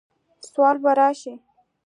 سوله به راشي،